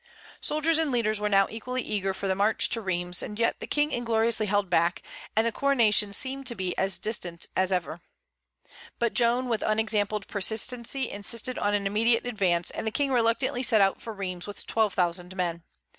Soldiers and leaders now were equally eager for the march to Rheims; yet the King ingloriously held back, and the coronation seemed to be as distant as ever. But Joan with unexampled persistency insisted on an immediate advance, and the King reluctantly set out for Rheims with twelve thousand men.